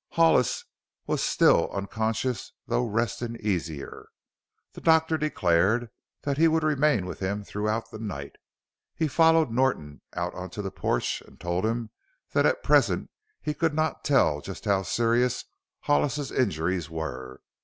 Hollis was still unconscious, though resting easier. The doctor declared that he would remain with him throughout the night. He followed Norton out on to the porch and told him that at present he could not tell just how serious Hollis's injuries were.